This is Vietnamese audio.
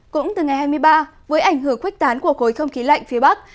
cũng từ ngày hai mươi ba với ảnh hưởng khuếch tán của khối không khí lạnh phía bắc